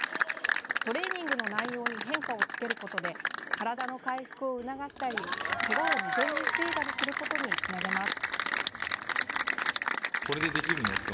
トレーニングの内容に変化をつけることで体の回復を促したりけがを未然に防いだりすることにつなげます。